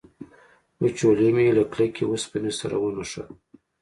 وچولی مې له کلکې اوسپنې سره ونښت.